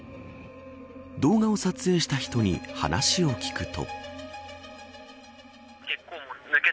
動画を撮影した人に話を聞くと。